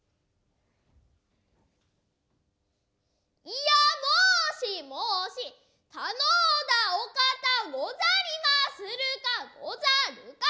いや申し申し頼うだ御方ござりまするかござるか。